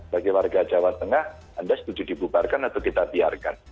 bagi warga jawa tengah anda setuju dibubarkan atau kita biarkan